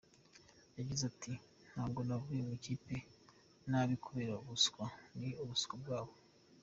Yagize ati “Ntabwo navuye mu ikipe nabi kubera ubuswa, ni ubuswa bwabo.